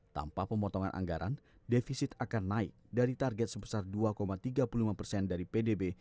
tanpa pemotongan anggaran defisit akan naik dari target sebesar dua tiga puluh lima persen dari pdb